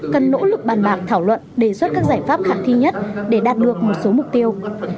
cần nỗ lực bàn bạc thảo luận đề xuất các giải pháp khả thi nhất để đạt được một số mục tiêu